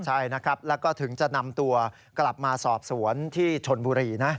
ใช่นะครับแล้วก็ถึงจะนำตัวกลับมาสอบสวนที่ชนบุรีนะ